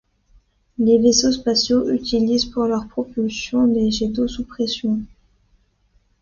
Les vaisseaux spatiaux utilisent pour leur propulsion des jets d'eau sous pression.